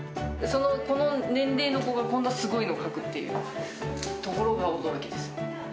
この年齢の子がこんなすごいの描くっていうところが驚きですね。